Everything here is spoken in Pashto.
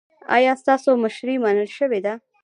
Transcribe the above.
ایا ستاسو مشري منل شوې ده؟